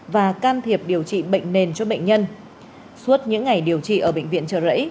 và can thiệp điều trị bệnh nền cho bệnh nhân suốt những ngày điều trị ở bệnh viện trợ rẫy